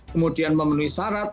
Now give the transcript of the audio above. kemudian memenuhi syarat